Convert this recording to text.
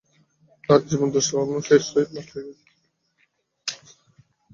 তার জীবন তো তখনই নষ্ট হয়ে গেছে।